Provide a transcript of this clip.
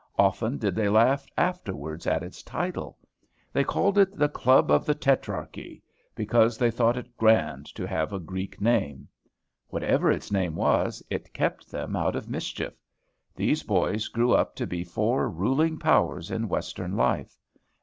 Often did they laugh afterwards at its title. They called it the Club of the Tetrarchy, because they thought it grand to have a Greek name. Whatever its name was, it kept them out of mischief. These boys grew up to be four ruling powers in Western life.